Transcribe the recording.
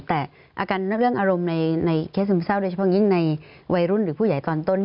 แต่อาการเรื่องอารมณ์ในเคสซึมเศร้าโดยเฉพาะยิ่งในวัยรุ่นหรือผู้ใหญ่ตอนต้น